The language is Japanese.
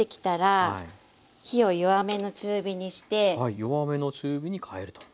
弱めの中火に変えると。